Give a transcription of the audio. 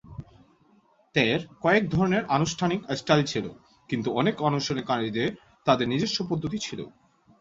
তের কয়েক ধরনের আনুষ্ঠানিক স্টাইল ছিল, কিন্তু অনেক অনুশীলনকারীদের তাদের নিজস্ব পদ্ধতি ছিল।